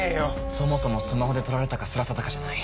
そもそもスマホで撮られたかすら定かじゃない。